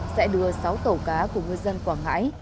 sẽ đưa sáu tàu cá của ngư dân quảng ngãi